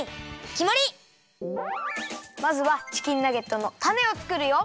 まずはチキンナゲットのタネをつくるよ。